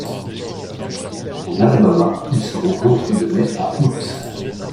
En Alabama, il se rencontre de mai à août.